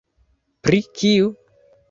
Pri kiu?